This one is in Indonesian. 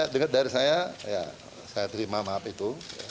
dengar dari saya saya terima maaf itu